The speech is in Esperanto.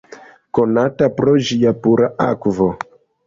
Konata pro ĝia pura akvo.